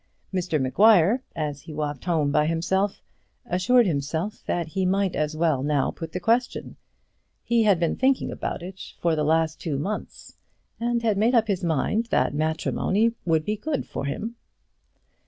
Mr Maguire, as he walked home by himself, assured himself that he might as well now put the question; he had been thinking about it for the last two months, and had made up his mind that matrimony would be good for him.